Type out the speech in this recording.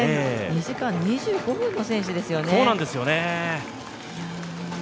２時間２５分の選手ですよね。